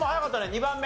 ２番目。